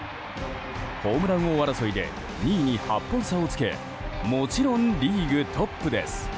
ホームラン王争いで２位に８本差をつけもちろんリーグトップです。